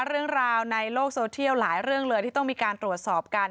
เรื่องราวในโลกโซเทียลหลายเรื่องเลยที่ต้องมีการตรวจสอบกัน